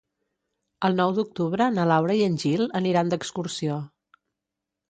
El nou d'octubre na Laura i en Gil aniran d'excursió.